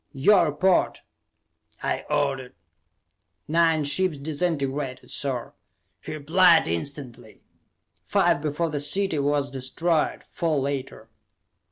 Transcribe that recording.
"Your report," I ordered. "Nine ships disintegrated, sir," he replied instantly. "Five before the city was destroyed, four later."